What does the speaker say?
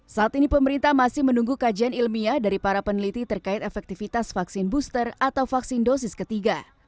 saat ini pemerintah masih menunggu kajian ilmiah dari para peneliti terkait efektivitas vaksin booster atau vaksin dosis ketiga